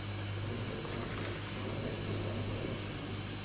Tehdejší teoretické znalosti šachové hry rozvinul a vymyslel řadu dalších poznatků.